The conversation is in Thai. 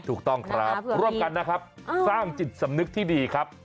ถูกต้องครับร่วมกันนะครับสร้างจิตสำนึกที่ดีครับ